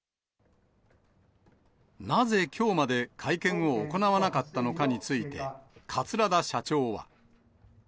なぜきょうまで会見を行わなかったのかについて、桂田社長は。